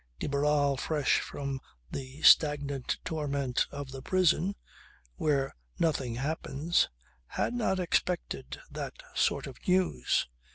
De Barral fresh from the stagnant torment of the prison (where nothing happens) had not expected that sort of news.